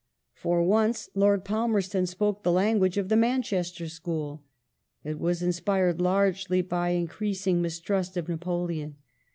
For once Lord Palmerston spoke the language of the Manchester School. It was inspired largely by increasing mistrust of Napoleon.